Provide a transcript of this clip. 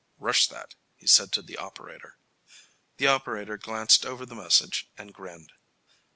"Rush that," he said to the operator. The operator glanced over the message and grinned.